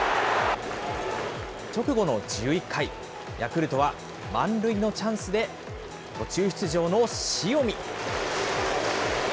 直後の１１回、ヤクルトは満塁のチャンスで、途中出場の塩見。